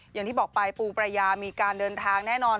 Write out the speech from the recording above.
อย่างที่บอกไปปูประยามีการเดินทางแน่นอน